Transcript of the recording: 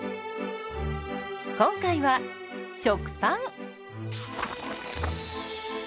今回は食パン。